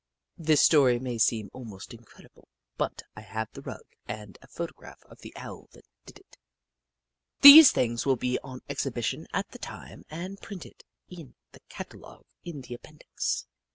This story may seem almost incredible, but I have the rug and a photograph of the Owl that did it. These things will be on exhibi tion at the time and place printed in the cata logue in the appendix.